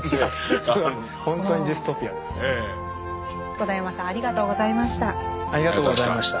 戸田山さんありがとうございました。